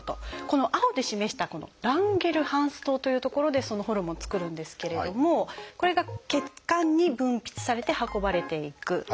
この青で示した「ランゲルハンス島」という所でそのホルモン作るんですけれどもこれが血管に分泌されて運ばれていく。